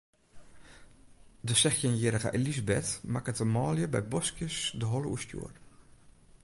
De sechstjinjierrige Elisabeth makket de manlju by boskjes de holle oerstjoer.